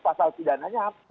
pasal tindaknya apa